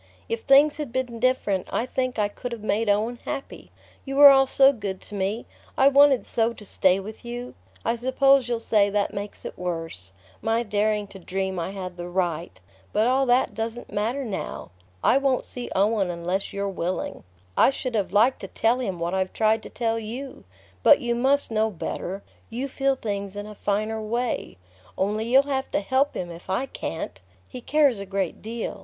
If things had been different I think I could have made Owen happy. You were all so good to me I wanted so to stay with you! I suppose you'll say that makes it worse: my daring to dream I had the right...But all that doesn't matter now. I won't see Owen unless you're willing. I should have liked to tell him what I've tried to tell you; but you must know better; you feel things in a finer way. Only you'll have to help him if I can't. He cares a great deal